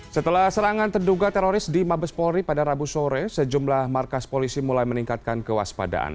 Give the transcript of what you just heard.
setelah serangan terduga teroris di mabes polri pada rabu sore sejumlah markas polisi mulai meningkatkan kewaspadaan